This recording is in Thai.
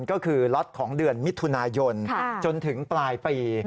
ก็คือล็อตของเดือนมิถุนายนจนถึงปลายปี